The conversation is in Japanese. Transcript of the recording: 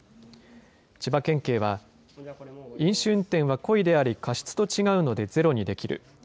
千葉県警は、飲酒運転は故意であり、過失と違うのでゼロにできる。